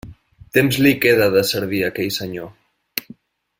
Temps li quedava de servir aquell senyor.